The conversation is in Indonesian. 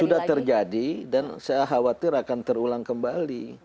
sudah terjadi dan saya khawatir akan terulang kembali